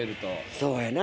そうやな。